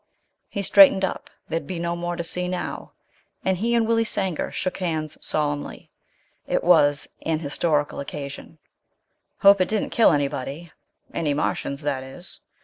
He straightened up there'd be no more to see now and he and Willie Sanger shook hands solemnly. It was an historical occasion. "Hope it didn't kill anybody. Any Martians, that is.